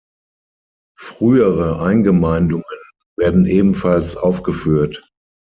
Frühere Eingemeindungen werden ebenfalls aufgeführt.